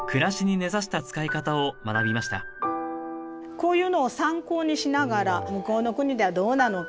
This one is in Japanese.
こういうのを参考にしながら向こうの国ではどうなのか。